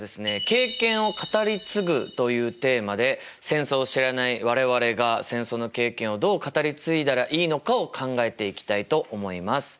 「経験を語り継ぐ」というテーマで戦争を知らない我々が戦争の経験をどう語り継いだらいいのかを考えていきたいと思います。